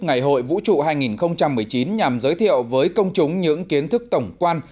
ngày hội vũ trụ hai nghìn một mươi chín nhằm giới thiệu với công chúng những kiến thức tổng quan